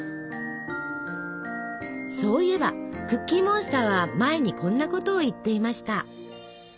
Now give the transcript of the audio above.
そういえばクッキーモンスターは前にこんなことを言っていました。